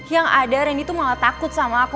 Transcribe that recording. yang ada randy tuh malah takut sama aku